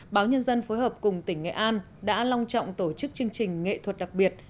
báo nhân dân phối hợp cùng tỉnh nghệ an đã long trọng tổ chức chương trình nghệ thuật đặc biệt